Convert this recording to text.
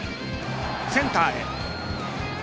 センターへ。